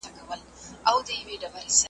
خوله خوله یمه خوږیږي مي د پښو هډونه .